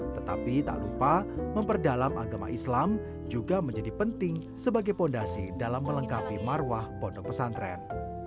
tetapi tak lupa memperdalam agama islam juga menjadi penting sebagai fondasi dalam melengkapi marwah pondok pesantren